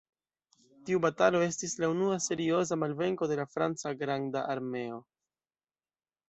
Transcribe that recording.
Tiu batalo estis la unua serioza malvenko de la franca "granda armeo".